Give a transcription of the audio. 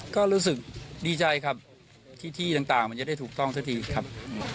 แล้วเงินทั้งหมดที่เราใช้ในการก่อสร้างอย่างนี้เรารู้สึกเสียดายไหมครับ